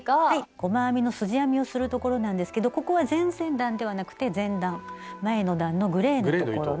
細編みのすじ編みをするところなんですけどここは前々段ではなくて前段前の段のグレーのところの。